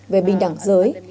về bình đẳng giới